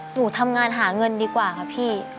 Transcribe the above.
หนูทำงานหาเงินดีกว่าค่ะพี่